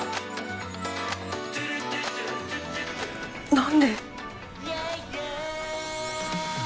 何で？